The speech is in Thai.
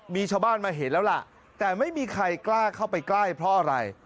มีชาวบ้านมาเห็นแล้วล่ะแต่ไม่มีใครกล้าเข้าไปใกล้เพราะอะไร